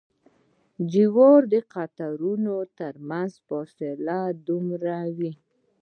د جوارو د قطارونو ترمنځ فاصله څومره وي؟